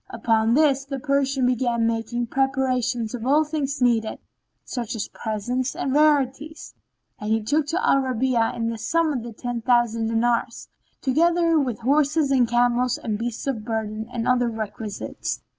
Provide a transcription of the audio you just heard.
Upon this the Persian began making preparation of all things needed, such as presents and rarities; and he took of Al Rabi'a in all the sum of ten thousand dinars, together with horses and camels and beasts of burden and other requisites.